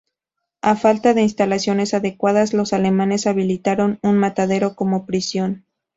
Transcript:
A falta de instalaciones adecuadas, los alemanes habilitaron un matadero como prisión.